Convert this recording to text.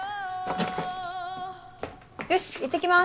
よしいってきます！